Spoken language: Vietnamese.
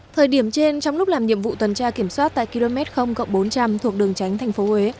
thời điểm trên trong lúc làm nhiệm vụ tuần tra kiểm soát tại km bốn trăm linh thuộc đường tránh tp huế